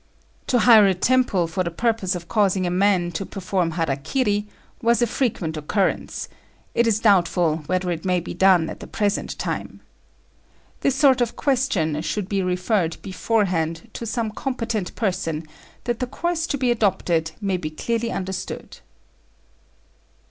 To hire a temple for the purpose of causing a man to perform hara kiri was of frequent occurrence: it is doubtful whether it may be done at the present time. This sort of question should be referred beforehand to some competent person, that the course to be adopted may be clearly understood.